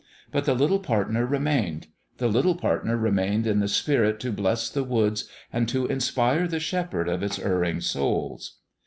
But the little partner remained : the little partner remained in the spirit to bless the woods and to inspire the shepherd of its erring souls.